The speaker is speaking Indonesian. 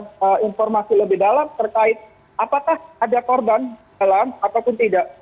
kita harus mendapatkan informasi lebih dalam terkait apakah ada korban di dalam ataupun tidak